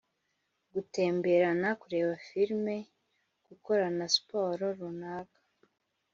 gutemberana, kurebana films, gukorana sport runaka,